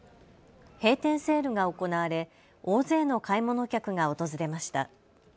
閉店セールが行われ大勢の買い物客が訪れました。